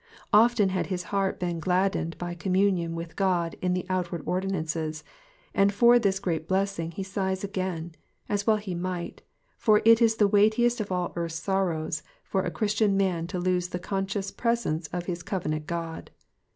Often had his heart been gladdened by communion with God in the outward ordinances, and for this great blessing he sighs again ; as well he might, for it is the weightiest of all earth's sorrows for a Christian man to lose the conscious presence of his cove nant God.